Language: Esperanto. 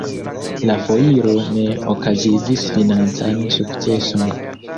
La foiro ne okazigis financan sukceson.